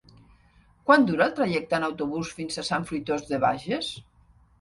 Quant dura el trajecte en autobús fins a Sant Fruitós de Bages?